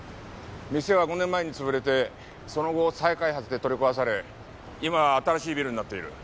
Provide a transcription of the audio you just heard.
店は５年前につぶれてその後再開発で取り壊され今新しいビルになっている。